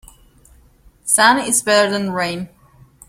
Sun is better than rain.